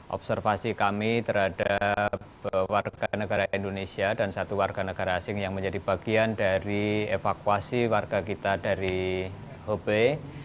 observasi kami terhadap warga negara indonesia dan satu warga negara asing yang menjadi bagian dari evakuasi warga kita dari hubei